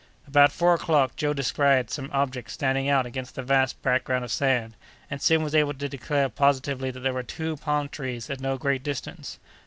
About four o'clock, Joe descried some object standing out against the vast background of sand, and soon was able to declare positively that there were two palm trees at no great distance.